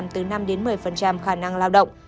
từ năm đến một mươi khả năng lao động